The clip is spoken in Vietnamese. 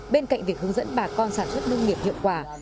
bên cạnh việc hướng dẫn bà con sản xuất nông nghiệp hiệu quả